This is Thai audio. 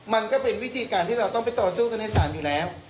มันก็เป็นวิธีการที่เราต้องไปต่อสู้กันในศาลอยู่แล้ว